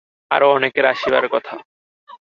আরো অনেকের আসিবার কথা।